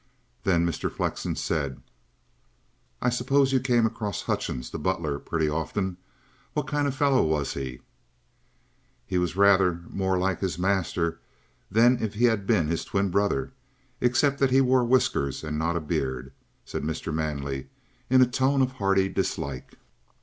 Then Mr. Flexen said: "I suppose you came across Hutchings, the butler, pretty often. What kind of a fellow was he?" "He was rather more like his master than if he had been his twin brother, except that he wore whiskers and not a beard," said Mr. Manley, in a tone of hearty dislike.